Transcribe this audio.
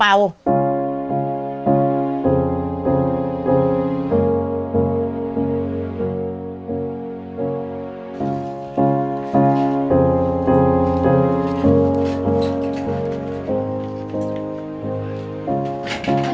น้ำมากว่า